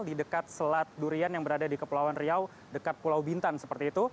di dekat selat durian yang berada di kepulauan riau dekat pulau bintan seperti itu